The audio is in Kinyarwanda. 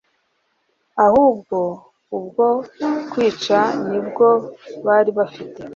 ahubwo ubwo kwica nibwo bari bafite